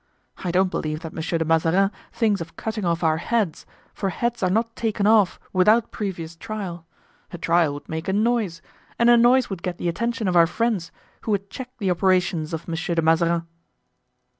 I don't believe that Monsieur de Mazarin thinks of cutting off our heads, for heads are not taken off without previous trial; a trial would make a noise, and a noise would get the attention of our friends, who would check the operations of Monsieur de Mazarin."